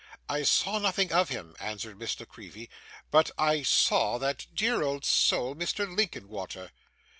'I saw nothing of him,' answered Miss La Creevy; 'but I saw that dear old soul Mr. Linkinwater.